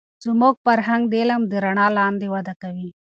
زموږ فرهنگ د علم د رڼا لاندې وده کوي.